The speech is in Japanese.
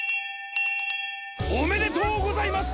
おめでとうございます！